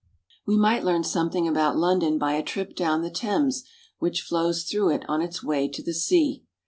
We might learn something about London by a trip down the Thames which flows through it on its way to the sea.